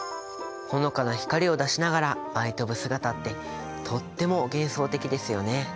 ほのかな光を出しながら舞い飛ぶ姿ってとっても幻想的ですよね。